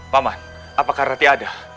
paman apakah rati ada